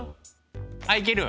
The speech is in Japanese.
あっいける。